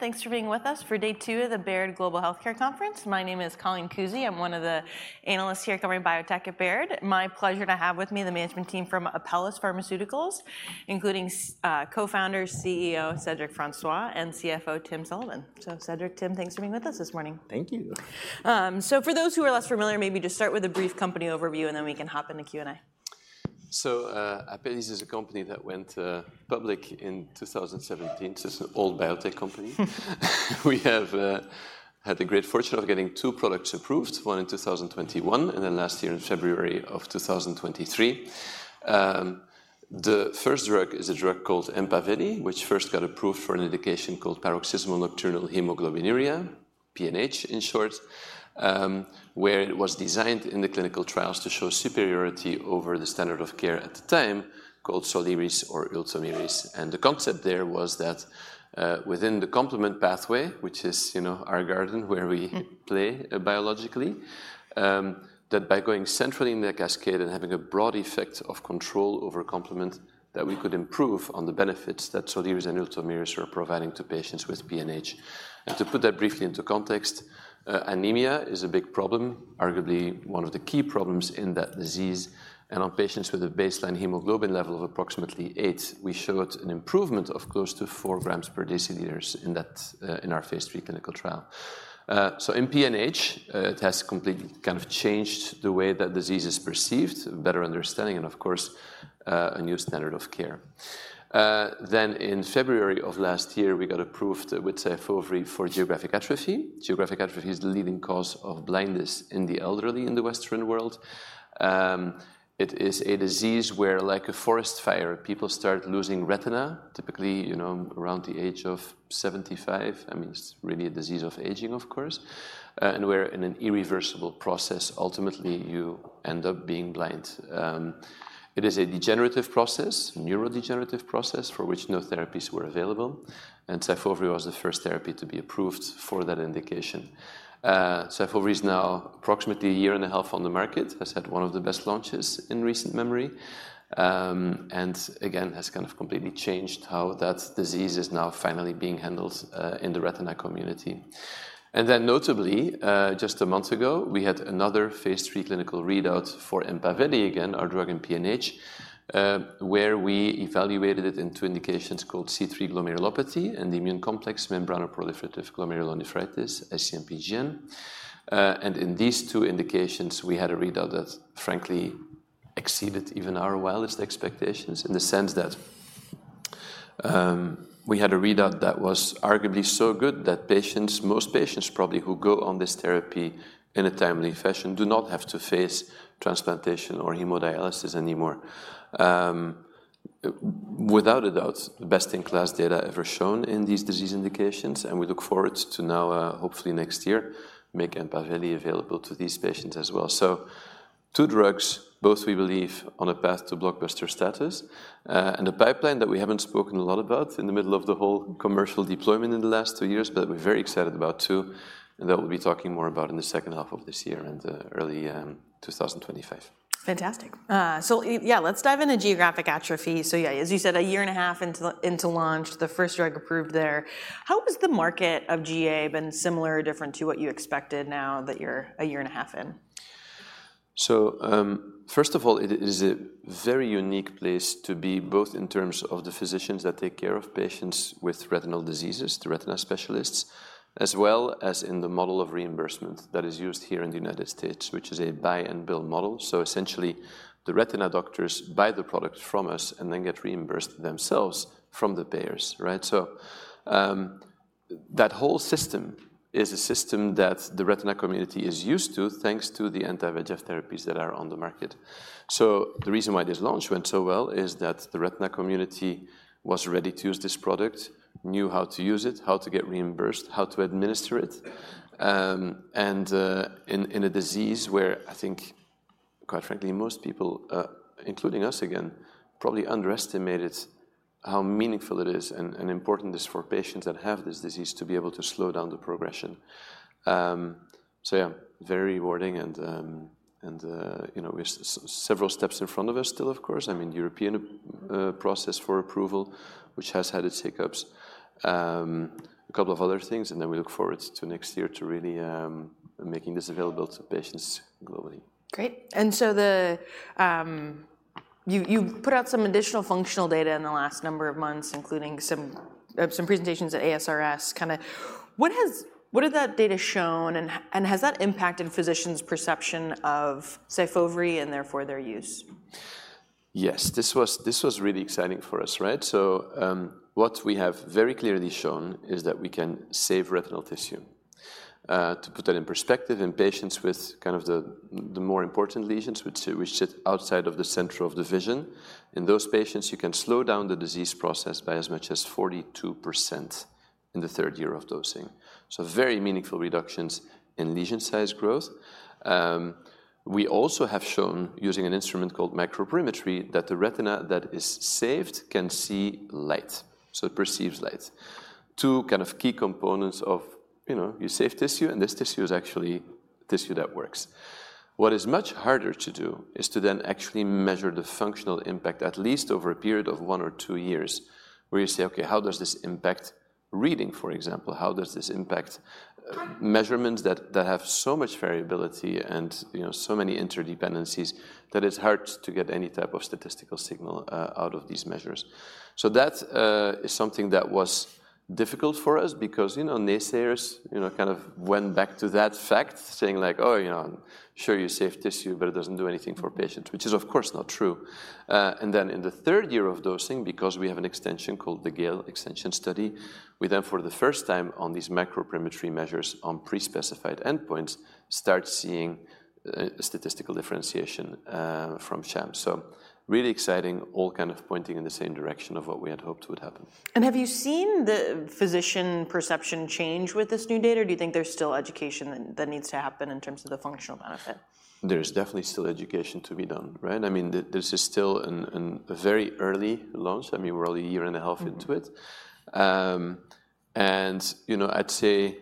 Everyone, thanks for being with us for day two of the Baird Global Healthcare Conference. My name is Colleen Kusy. I'm one of the analysts here covering biotech at Baird. My pleasure to have with me the management team from Apellis Pharmaceuticals, including co-founder, CEO Cedric Francois, and CFO Tim Sullivan. So Cedric, Tim, thanks for being with us this morning. Thank you. So, for those who are less familiar, maybe just start with a brief company overview, and then we can hop into Q&A. Apellis is a company that went public in 2017. It's an old biotech company. We have had the great fortune of getting two products approved, one in 2021, and then last year in February of 2023. The first drug is a drug called Empaveli, which first got approved for an indication called paroxysmal nocturnal hemoglobinuria, PNH in short, where it was designed in the clinical trials to show superiority over the standard of care at the time, called Soliris or Ultomiris. The concept there was that, within the complement pathway, which is, you know, our garden where we play biologically, that by going centrally in the cascade and having a broad effect of control over complement, that we could improve on the benefits that Soliris and Ultomiris are providing to patients with PNH. Mm-hmm. To put that briefly into context, anemia is a big problem, arguably one of the key problems in that disease. On patients with a baseline hemoglobin level of approximately eight, we showed an improvement of close to four grams per deciliters in that, in our phase three clinical trial. In PNH, it has completely kind of changed the way that disease is perceived, better understanding, and of course, a new standard of care. In February of last year, we got approved with Syfovre for geographic atrophy. Geographic atrophy is the leading cause of blindness in the elderly in the Western world. It is a disease where, like a forest fire, people start losing retina, typically, you know, around the age of 75. I mean, it's really a disease of aging, of course, and wherein an irreversible process, ultimately, you end up being blind. It is a degenerative process, neurodegenerative process, for which no therapies were available, and Syfovre was the first therapy to be approved for that indication. Syfovre is now approximately a year and a half on the market, has had one of the best launches in recent memory, and again, has kind of completely changed how that disease is now finally being handled in the retina community. Then notably, just a month ago, we had another phase three clinical readout for Empaveli again, our drug in PNH, where we evaluated it in two indications called C3 glomerulopathy and immune complex membranoproliferative glomerulonephritis, IC-MPGN. And in these two indications, we had a readout that frankly exceeded even our wildest expectations in the sense that we had a readout that was arguably so good that patients, most patients, probably, who go on this therapy in a timely fashion do not have to face transplantation or hemodialysis anymore. Without a doubt, the best-in-class data ever shown in these disease indications, and we look forward to now, hopefully next year, make Empaveli available to these patients as well. So two drugs, both we believe, on a path to blockbuster status, and a pipeline that we haven't spoken a lot about in the middle of the whole commercial deployment in the last two years, but we're very excited about, too, and that we'll be talking more about in the second half of this year and early 2025. Fantastic. Yeah, let's dive into geographic atrophy. Yeah, as you said, a year and a half into launch, the first drug approved there. How has the market GA been similar or different to what you expected now that you're a year and a half in? So, first of all, it is a very unique place to be, both in terms of the physicians that take care of patients with retinal diseases, the retina specialists, as well as in the model of reimbursement that is used here in the United States, which is a buy and bill model. So essentially, the retina doctors buy the product from us and then get reimbursed themselves from the payers, right? So, that whole system is a system that the retina community is used to, thanks to the anti-VEGF therapies that are on the market. So the reason why this launch went so well is that the retina community was ready to use this product, knew how to use it, how to get reimbursed, how to administer it, and in a disease where I think, quite frankly, most people, including us again, probably underestimated how meaningful it is and important it is for patients that have this disease to be able to slow down the progression. So yeah, very rewarding and, you know, we're several steps in front of us still, of course. I mean, European process for approval, which has had its hiccups, a couple of other things, and then we look forward to next year to really making this available to patients globally. Great. And so you've put out some additional functional data in the last number of months, including some presentations at ASRS. What has that data shown, and has that impacted physicians' perception of Syfovre and therefore their use? Yes, this was, this was really exciting for us, right? So, what we have very clearly shown is that we can save retinal tissue. To put that in perspective, in patients with kind of the more important lesions, which sit outside of the center of the vision, in those patients, you can slow down the disease process by as much as 42% in the third year of dosing. So very meaningful reductions in lesion size growth. We also have shown, using an instrument called macroperimetry, that the retina that is saved can see light, so it perceives light. Two kind of key components of, you know, you save tissue, and this tissue is actually tissue that works. What is much harder to do is to then actually measure the functional impact, at least over a period of one or two years, where you say, "Okay, how does this impact reading?" for example. How does this impact- Mm. measurements that have so much variability and, you know, so many interdependencies, that it's hard to get any type of statistical signal out of these measures? So that is something that was difficult for us because, you know, naysayers, you know, kind of went back to that fact, saying like: "Oh, you know, sure, you saved tissue, but it doesn't do anything for patients," which is, of course, not true. And then in the third year of dosing, because we have an extension called the GALE extension study, we then, for the first time on these macroperimetry measures on pre-specified endpoints, start seeing a statistical differentiation from sham. So really exciting, all kind of pointing in the same direction of what we had hoped would happen. Have you seen the physician perception change with this new data, or do you think there's still education that needs to happen in terms of the functional benefit? There's definitely still education to be done, right? I mean, this is still a very early launch. I mean, we're only a year and a half into it. Mm-hmm. And, you know, I'd say,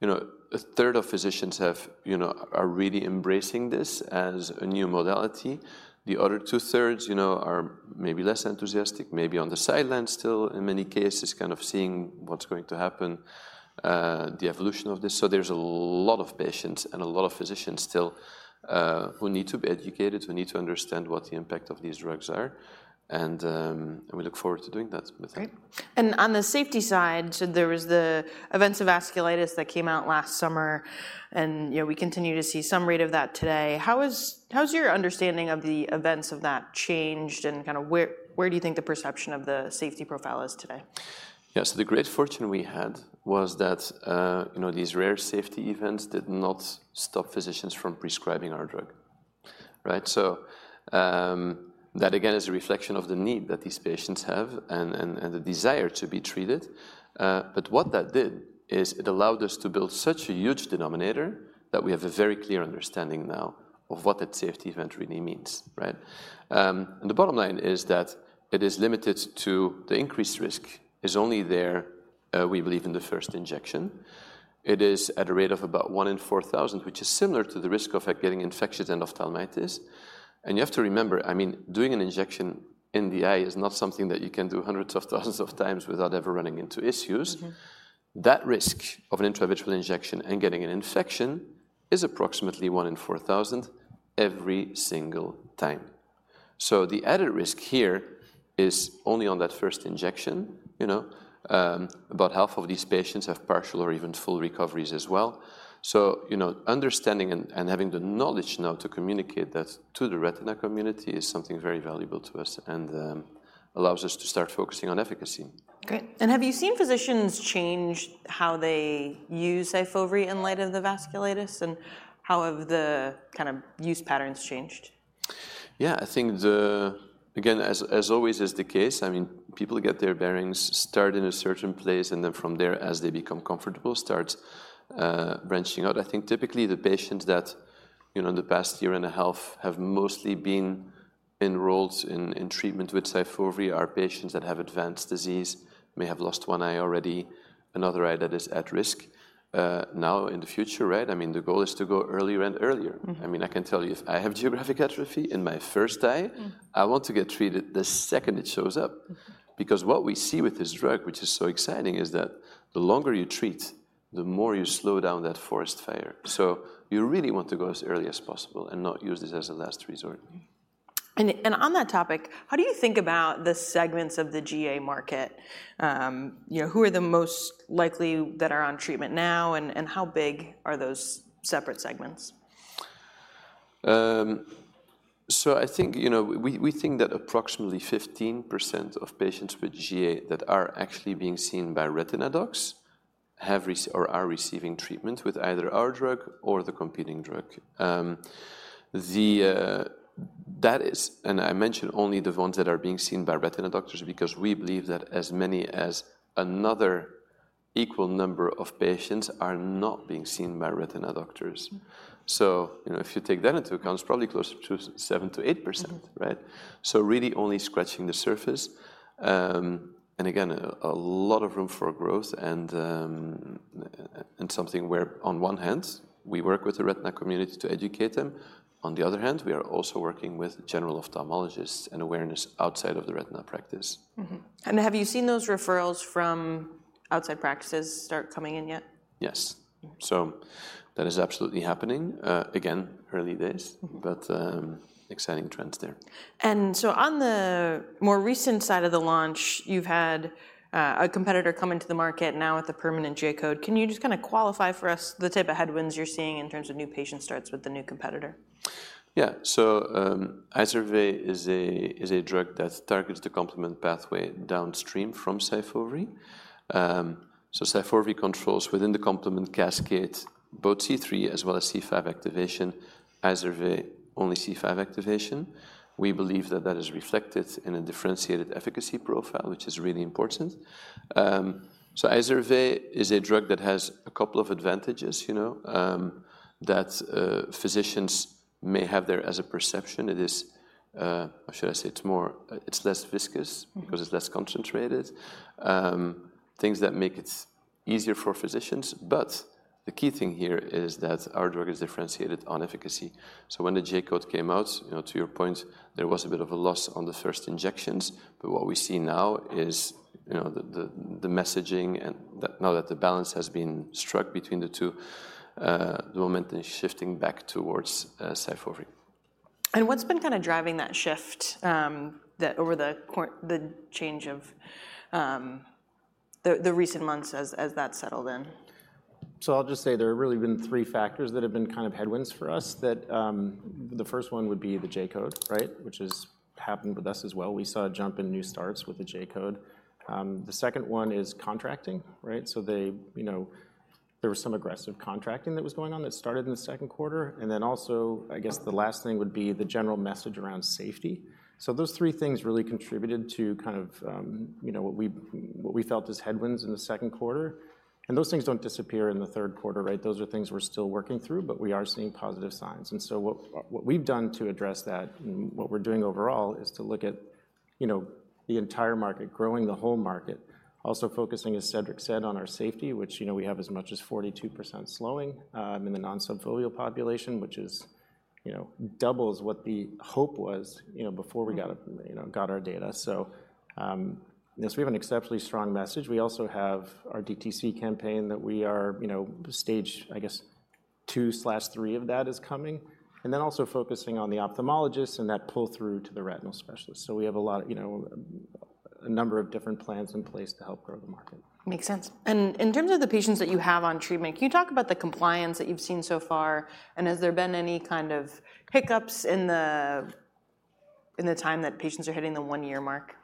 you know, a third of physicians are really embracing this as a new modality. The other two-thirds, you know, are maybe less enthusiastic, maybe on the sidelines still, in many cases, kind of seeing what's going to happen, the evolution of this. So there's a lot of patients and a lot of physicians still, who need to be educated, who need to understand what the impact of these drugs are, and we look forward to doing that with them. Great. And on the safety side, so there was the events of vasculitis that came out last summer, and, you know, we continue to see some rate of that today. How has your understanding of the events of that changed, and kind of where do you think the perception of the safety profile is today? Yeah. So the great fortune we had was that, you know, these rare safety events did not stop physicians from prescribing our drug, right? So, that, again, is a reflection of the need that these patients have and the desire to be treated. But what that did is it allowed us to build such a huge denominator that we have a very clear understanding now of what that safety event really means, right? And the bottom line is that it is limited to the increased risk, is only there, we believe in the first injection. It is at a rate of about one in 4,000, which is similar to the risk of getting infectious endophthalmitis. You have to remember, I mean, doing an injection in the eye is not something that you can do hundreds of thousands of times without ever running into issues. Mm-hmm. That risk of an intravitreal injection and getting an infection is approximately one in 4,000 every single time. So the added risk here is only on that first injection, you know. About half of these patients have partial or even full recoveries as well. So, you know, understanding and having the knowledge now to communicate that to the retina community is something very valuable to us, and allows us to start focusing on efficacy. Great. And have you seen physicians change how they use Syfovre in light of the vasculitis, and how have the kind of use patterns changed? Yeah, I think. Again, as always is the case, I mean, people get their bearings, start in a certain place, and then from there, as they become comfortable, start branching out. I think typically, the patients that, you know, in the past year and a half have mostly been enrolled in treatment with Syfovre are patients that have advanced disease, may have lost one eye already, another eye that is at risk. Now, in the future, right? I mean, the goal is to go earlier and earlier. Mm-hmm. I mean, I can tell you, if I have geographic atrophy in my first eye- Mm... I want to get treated the second it shows up. Mm-hmm. Because what we see with this drug, which is so exciting, is that the longer you treat, the more you slow down that forest fire. So you really want to go as early as possible and not use this as a last resort. Mm-hmm. And, and on that topic, how do you think about the segments of the GA market? You know, who are the most likely that are on treatment now, and, and how big are those separate segments? So I think, you know, we think that approximately 15% of patients with GA that are actually being seen by retina docs or are receiving treatment with either our drug or the competing drug. That is, and I mention only the ones that are being seen by retina doctors, because we believe that as many as another equal number of patients are not being seen by retina doctors. Mm-hmm. So, you know, if you take that into account, it's probably closer to 7%-8%. Mm-hmm... right? So really only scratching the surface. And again, a lot of room for growth and something where, on one hand, we work with the retina community to educate them. On the other hand, we are also working with general ophthalmologists and awareness outside of the retina practice. Mm-hmm. And have you seen those referrals from outside practices start coming in yet? Yes. Mm. So that is absolutely happening. Again, early days- Mm-hmm... but, exciting trends there. And so on the more recent side of the launch, you've had a competitor come into the market now with a permanent J-code. Can you just kind of qualify for us the type of headwinds you're seeing in terms of new patient starts with the new competitor? Yeah. Izervay is a drug that targets the complement pathway downstream from Syfovre. So Syfovre controls within the complement cascade, both C3 as well as C5 activation. Izervay only C5 activation. We believe that is reflected in a differentiated efficacy profile, which is really important. So Izervay is a drug that has a couple of advantages, you know, that physicians may have there as a perception. Or should I say it's more, it's less viscous- Mm-hmm. Because it's less concentrated. Things that make it easier for physicians, but the key thing here is that our drug is differentiated on efficacy. So when the J-code came out, you know, to your point, there was a bit of a loss on the first injections, but what we see now is, you know, the messaging, and that now that the balance has been struck between the two, the momentum is shifting back towards Syfovre. What's been kind of driving that shift, that over the recent months as that's settled in? So I'll just say there have really been three factors that have been kind of headwinds for us, that, the first one would be the J-code, right? Which has happened with us as well. We saw a jump in new starts with the J-code. The second one is contracting, right? So they, you know, there was some aggressive contracting that was going on that started in the second quarter, and then also, I guess the last thing would be the general message around safety. So those three things really contributed to kind of, you know, what we, what we felt as headwinds in the second quarter, and those things don't disappear in the third quarter, right? Those are things we're still working through, but we are seeing positive signs. What we've done to address that, and what we're doing overall, is to look at, you know, the entire market, growing the whole market. Also focusing, as Cedric said, on our safety, which, you know, we have as much as 42% slowing in the non-subfoveal population, which is, you know, doubles what the hope was, you know, before we got- Mm. you know, got our data. So, yes, we have an exceptionally strong message. We also have our DTC campaign that we are, you know, stage, I guess, two slash three of that is coming, and then also focusing on the ophthalmologists and that pull-through to the retina specialists. So we have a lot of, you know, a number of different plans in place to help grow the market. Makes sense. And in terms of the patients that you have on treatment, can you talk about the compliance that you've seen so far? And has there been any kind of hiccups in the time that patients are hitting the one-year mark?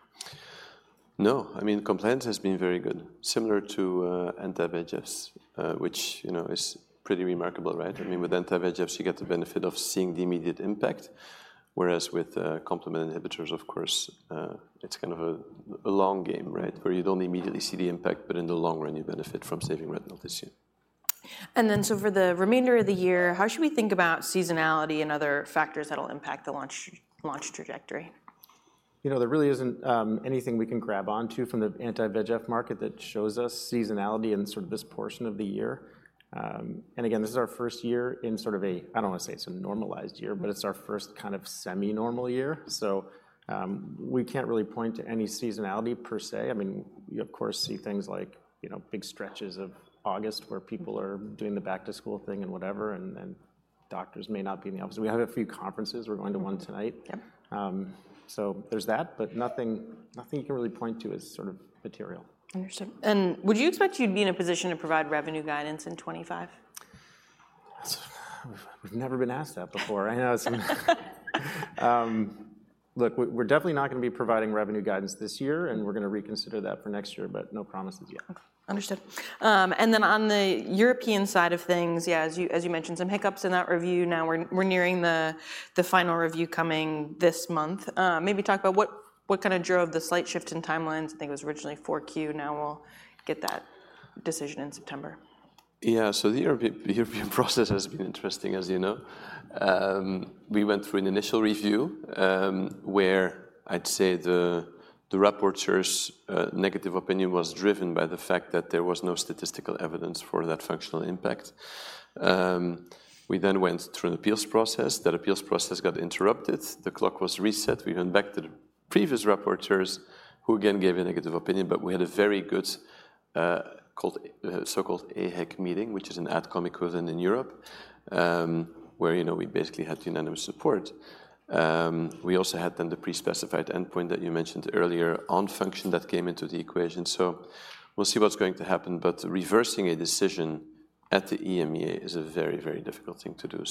No. I mean, compliance has been very good, similar to anti-VEGFs, which, you know, is pretty remarkable, right? Mm-hmm. I mean, with anti-VEGFs, you get the benefit of seeing the immediate impact, whereas with complement inhibitors, of course, it's kind of a long game, right? Where you don't immediately see the impact, but in the long run, you benefit from saving retinal tissue. And then, so for the remainder of the year, how should we think about seasonality and other factors that will impact the launch trajectory? You know, there really isn't anything we can grab on to from the Anti-VEGF market that shows us seasonality in sort of this portion of the year. And again, this is our first year in sort of a, I don't want to say it's a normalized year, but it's our first kind of semi-normal year. So, we can't really point to any seasonality per se. I mean, you, of course, see things like, you know, big stretches of August, where people are doing the back-to-school thing and whatever, and then doctors may not be in the office. We have a few conferences. We're going to one tonight. Yep. So there's that, but nothing you can really point to as sort of material. Understood. And would you expect you'd be in a position to provide revenue guidance in 2025? We've never been asked that before. I know it's... Look, we're definitely not going to be providing revenue guidance this year, and we're going to reconsider that for next year, but no promises yet. Okay, understood. And then on the European side of things, yeah, as you mentioned, some hiccups in that review. Now we're nearing the final review coming this month. Maybe talk about what kind of drove the slight shift in timelines? I think it was originally Q4, now we'll get that decision in September. Yeah. So the European process has been interesting, as you know. We went through an initial review, where I'd say the rapporteurs' negative opinion was driven by the fact that there was no statistical evidence for that functional impact. We then went through an appeals process. That appeals process got interrupted. The clock was reset. We went back to the previous rapporteurs, who again gave a negative opinion, but we had a very good so-called AHEG meeting, which is an ad hoc event in Europe, where, you know, we basically had unanimous support. We also had then the pre-specified endpoint that you mentioned earlier on function that came into the equation. So we'll see what's going to happen, but reversing a decision at the EMA is a very, very difficult thing to do.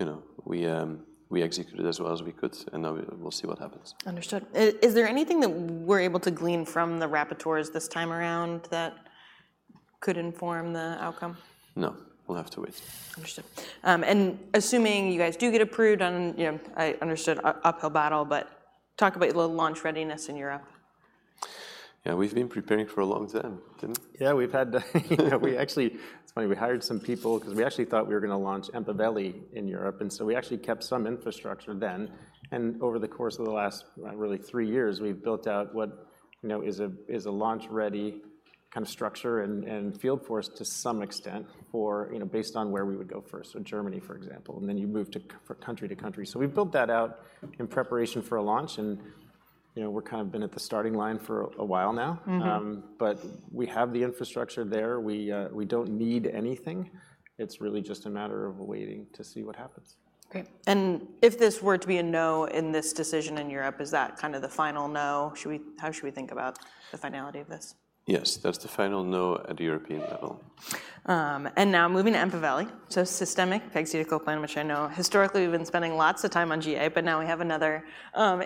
You know, we executed as well as we could, and now we'll see what happens. Understood. Is there anything that we're able to glean from the rapporteurs this time around that could inform the outcome? No. We'll have to wait. Understood. Assuming you guys do get approved, and, you know, I understand it's an uphill battle, but talk about your launch readiness in Europe? Yeah, we've been preparing for a long time, didn't we? Yeah, we've had, you know, we actually-- It's funny, we hired some people because we actually thought we were going to launch Empaveli in Europe, and so we actually kept some infrastructure then. And over the course of the last, really three years, we've built out what, you know, is a, is a launch-ready kind of structure and, and field force to some extent for, you know, based on where we would go first. So Germany, for example, and then you move to country to country. So we've built that out in preparation for a launch, and, you know, we're kind of been at the starting line for a while now. Mm-hmm. But we have the infrastructure there. We don't need anything. It's really just a matter of waiting to see what happens. Great. And if this were to be a no in this decision in Europe, is that kind of the final no? How should we think about the finality of this? Yes, that's the final no at the European level. And now moving to Empaveli, so systemic pegcetacoplan, which I know historically, we've been spending lots of time on GA, but now we have another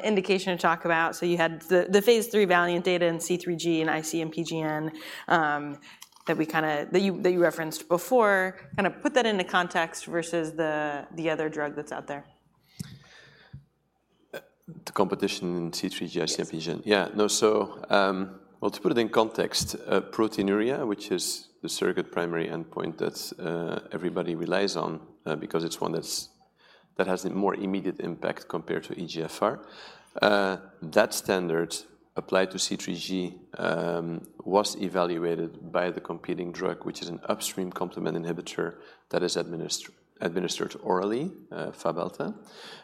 indication to talk about. So you had the phase III VALIANT data in C3G and IC-MPGN that you referenced before. Kind of put that into context versus the other drug that's out there. The competition in C3G, IC-MPGN? Yes. Yeah. No, so, well, to put it in context, proteinuria, which is the surrogate primary endpoint that everybody relies on because it's one that has a more immediate impact compared to eGFR. That standard applied to C3G was evaluated by the competing drug, which is an upstream complement inhibitor that is administered orally, Fabhalta,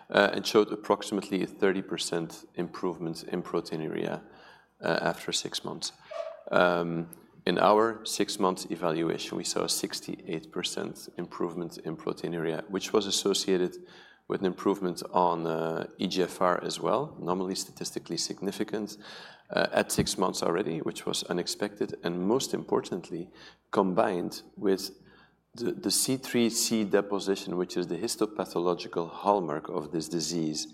and showed approximately a 30% improvement in proteinuria after six months. In our six-month evaluation, we saw a 68% improvement in proteinuria, which was associated with an improvement on eGFR as well, normally statistically significant at six months already, which was unexpected, and most importantly, combined with the C3c deposition, which is the histopathological hallmark of this disease,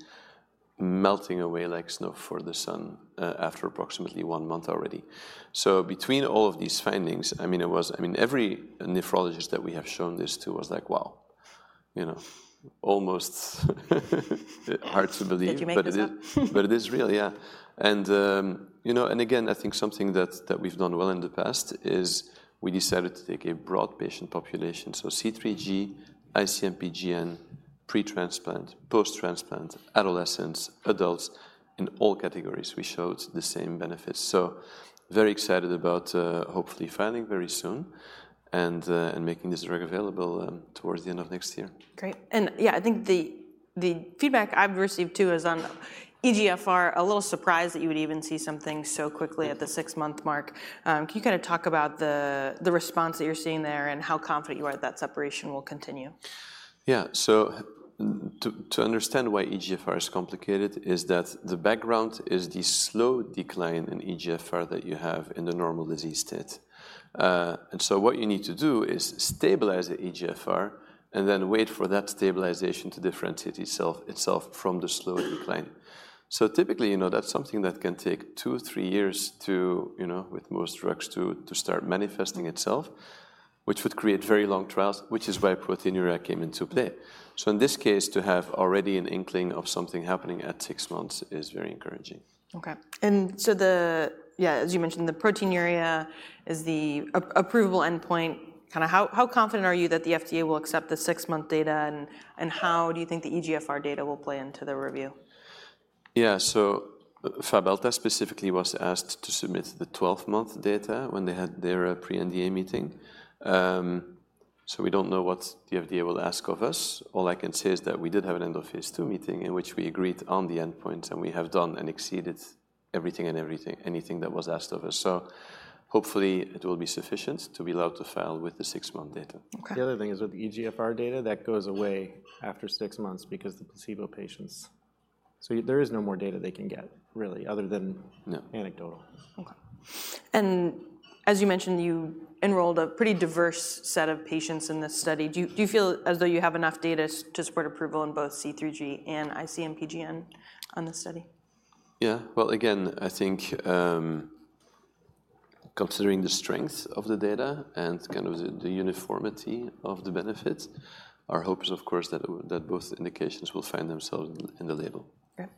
melting away like snow for the sun after approximately one month already. So between all of these findings, I mean, every nephrologist that we have shown this to was like: "Wow!" You know, almost hard to believe. Did you make this up?... But it is, but it is real, yeah. And, you know, and again, I think something that, that we've done well in the past is we decided to take a broad patient population. So C3G, ICMPGN, pre-transplant, post-transplant, adolescents, adults, in all categories, we showed the same benefits. So very excited about, hopefully filing very soon and, and making this drug available, towards the end of next year. Great. And yeah, I think the feedback I've received, too, is on eGFR, a little surprised that you would even see something so quickly at the six-month mark. Can you kinda talk about the response that you're seeing there and how confident you are that separation will continue? Yeah. So to understand why eGFR is complicated is that the background is the slow decline in eGFR that you have in the normal disease state. And so what you need to do is stabilize the eGFR and then wait for that stabilization to differentiate itself from the slow decline. So typically, you know, that's something that can take two, three years to, you know, with most drugs, to start manifesting itself, which would create very long trials, which is why proteinuria came into play. So in this case, to have already an inkling of something happening at six months is very encouraging. Okay. And so, yeah, as you mentioned, the proteinuria is the approvable endpoint. Kinda, how confident are you that the FDA will accept the six-month data, and how do you think the eGFR data will play into the review? Yeah, so Fabhalta specifically was asked to submit the twelve-month data when they had their pre-NDA meeting. So we don't know what the FDA will ask of us. All I can say is that we did have an end-of-phase II meeting in which we agreed on the endpoints, and we have done and exceeded everything and anything that was asked of us. So hopefully, it will be sufficient to be allowed to file with the six-month data. Okay. The other thing is, with the eGFR data, that goes away after six months because the placebo patients... So there is no more data they can get, really, other than- No... anecdotal. Okay. And as you mentioned, you enrolled a pretty diverse set of patients in this study. Do you feel as though you have enough data to support approval in both C3G and IC-MPGN on this study? Yeah. Well, again, I think, considering the strength of the data and kind of the uniformity of the benefit, our hope is, of course, that both indications will find themselves in the label. Okay.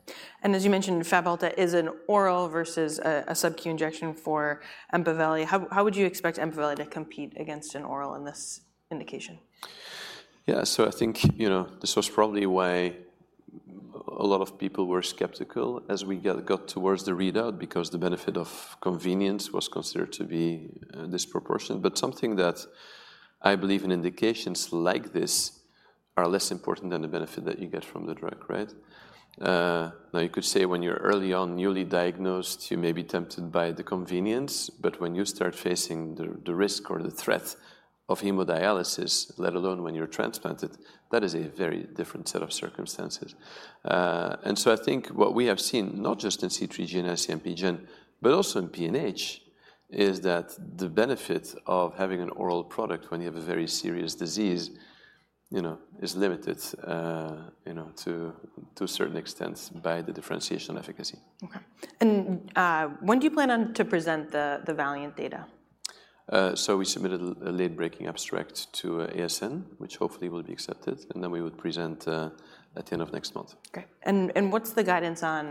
And as you mentioned, Fabhalta is an oral versus a subQ injection for Empaveli. How would you expect Empaveli to compete against an oral in this indication? Yeah, so I think, you know, this was probably why a lot of people were skeptical as we got towards the readout, because the benefit of convenience was considered to be disproportionate. But something that I believe in indications like this are less important than the benefit that you get from the drug, right? Now, you could say when you're early on, newly diagnosed, you may be tempted by the convenience, but when you start facing the risk or the threat of hemodialysis, let alone when you're transplanted, that is a very different set of circumstances. And so I think what we have seen, not just in C3G and IC-MPGN, but also in PNH, is that the benefit of having an oral product when you have a very serious disease, you know, is limited, you know, to a certain extent by the differentiation efficacy. Okay. And when do you plan on to present the VALIANT data? So we submitted a late-breaking abstract to ASN, which hopefully will be accepted, and then we would present at the end of next month. Okay. And what's the guidance on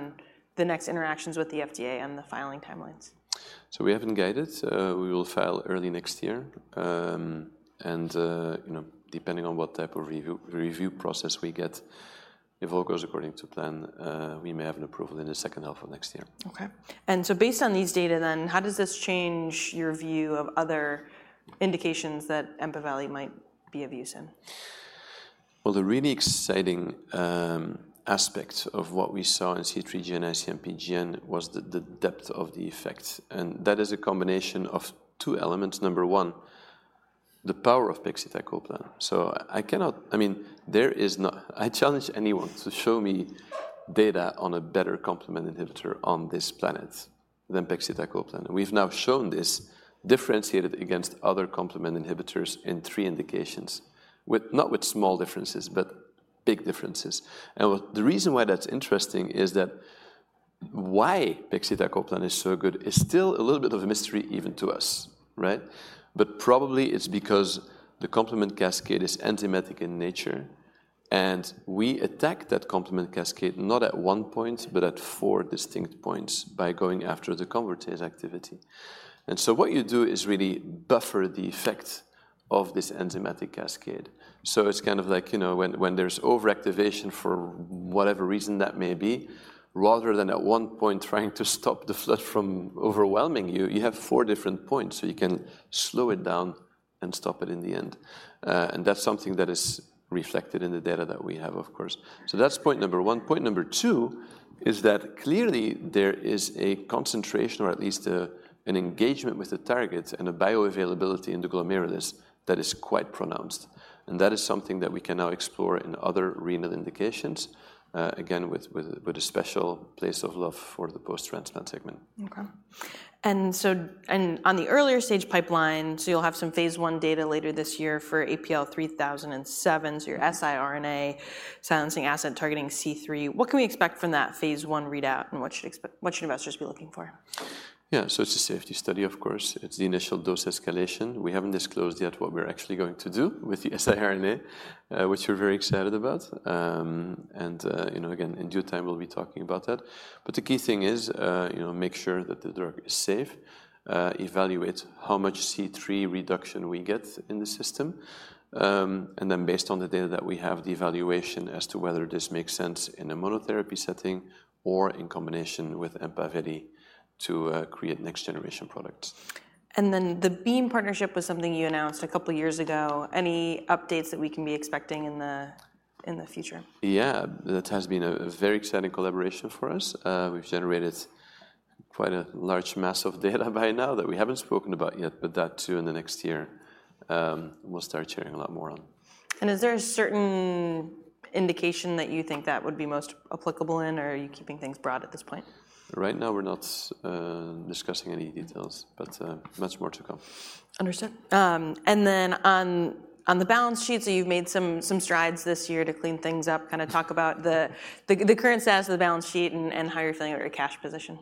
the next interactions with the FDA and the filing timelines? We haven't guided. We will file early next year, and you know, depending on what type of review process we get, if all goes according to plan, we may have an approval in the second half of next year. Okay. And so based on these data then, how does this change your view of other indications that Empaveli might be of use in? The really exciting aspect of what we saw in C3G and IC-MPGN was the depth of the effect, and that is a combination of two elements. Number one, the power of pegcetacoplan. So I cannot, I mean, there is no, I challenge anyone to show me data on a better complement inhibitor on this planet than pegcetacoplan. We've now shown this differentiated against other complement inhibitors in three indications, with not small differences, but big differences. And the reason why that's interesting is that why pegcetacoplan is so good is still a little bit of a mystery even to us, right? But probably it's because the complement cascade is enzymatic in nature, and we attack that complement cascade not at one point, but at four distinct points, by going after the convertase activity. And so what you do is really buffer the effect... of this enzymatic cascade. So it's kind of like, you know, when there's overactivation for whatever reason that may be, rather than at one point trying to stop the flood from overwhelming you, you have four different points, so you can slow it down and stop it in the end. And that's something that is reflected in the data that we have, of course. So that's point number one. Point number two is that clearly, there is a concentration, or at least, an engagement with the targets and a bioavailability in the glomerulus that is quite pronounced, and that is something that we can now explore in other renal indications, again, with a special place of love for the post-transplant segment. Okay. And on the earlier stage pipeline, so you'll have some phase I data later this year for APL-3007, so your siRNA silencing asset targeting C3. What can we expect from that phase I readout, and what should we expect - what should investors be looking for? Yeah, so it's a safety study, of course. It's the initial dose escalation. We haven't disclosed yet what we're actually going to do with the siRNA, which we're very excited about. And, you know, again, in due time, we'll be talking about that. But the key thing is, you know, make sure that the drug is safe, evaluate how much C3 reduction we get in the systemic, and then, based on the data that we have, the evaluation as to whether this makes sense in a monotherapy setting or in combination with Empaveli to create next-generation products. And then, the Beam partnership was something you announced a couple of years ago. Any updates that we can be expecting in the future? Yeah. That has been a very exciting collaboration for us. We've generated quite a large mass of data by now that we haven't spoken about yet, but that, too, in the next year, we'll start sharing a lot more on. Is there a certain indication that you think that would be most applicable in, or are you keeping things broad at this point? Right now, we're not discussing any details, but much more to come. Understood. And then, on the balance sheet, so you've made some strides this year to clean things up. Kind of talk about the current status of the balance sheet and how you're feeling about your cash position?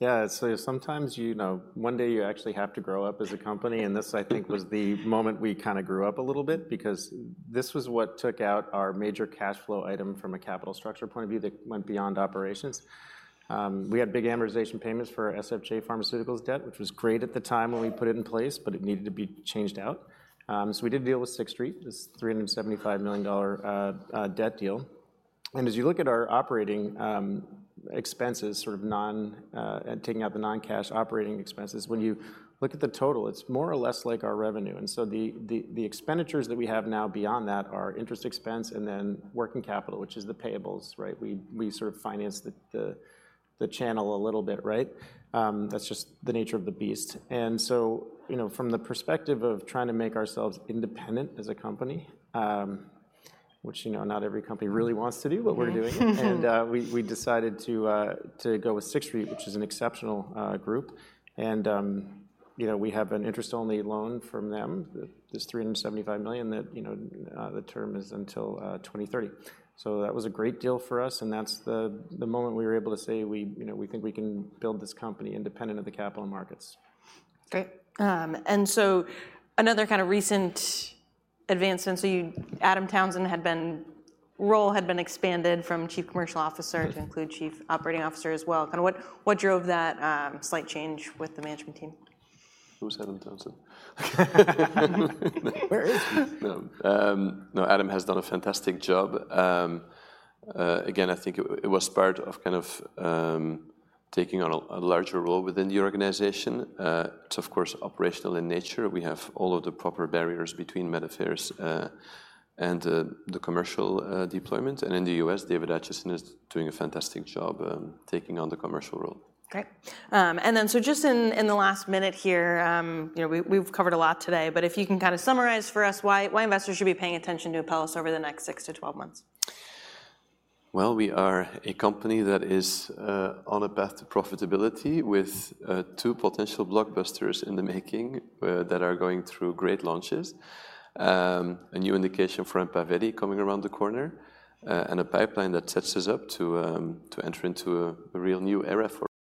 Yeah, so sometimes, you know, one day you actually have to grow up as a company, and this, I think, was the moment we kind of grew up a little bit because this was what took out our major cash flow item from a capital structure point of view that went beyond operations. We had big amortization payments for our SFJ Pharmaceuticals debt, which was great at the time when we put it in place, but it needed to be changed out. So we did a deal with Sixth Street, this $375 million debt deal. And as you look at our operating expenses, sort of taking out the non-cash operating expenses, when you look at the total, it's more or less like our revenue. The expenditures that we have now beyond that are interest expense and then working capital, which is the payables, right? We sort of financed the channel a little bit, right? That's just the nature of the beast. You know, from the perspective of trying to make ourselves independent as a company, which, you know, not every company really wants to do, but we're doing. We decided to go with Sixth Street, which is an exceptional group. You know, we have an interest-only loan from them. This $375 million that, you know, the term is until 2030. So that was a great deal for us, and that's the moment we were able to say, you know, we think we can build this company independent of the capital markets. Great. And so another kind of recent advancement, Adam Townsend's role had been expanded from chief commercial officer to include chief operating officer as well. Kind of, what drove that slight change with the management team? Who's Adam Townsend? Where is he? No, Adam has done a fantastic job. Again, I think it was part of kind of taking on a larger role within the organization. It's of course operational in nature. We have all of the proper barriers between med affairs and the commercial deployment. And in the U.S., David Acheson is doing a fantastic job taking on the commercial role. Great. And then, so just in the last minute here, you know, we've covered a lot today, but if you can kind of summarize for us why investors should be paying attention to Apellis over the next six to 12 months. We are a company that is on a path to profitability with two potential blockbusters in the making that are going through great launches, a new indication for Empaveli coming around the corner, and a pipeline that sets us up to enter into a real new era for Apellis.